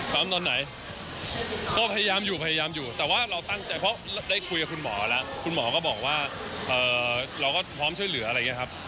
ตอนไหนก็พยายามอยู่พยายามอยู่แต่ว่าเราตั้งใจเพราะได้คุยกับคุณหมอแล้วคุณหมอก็บอกว่าเราก็พร้อมช่วยเหลืออะไรอย่างนี้ครับ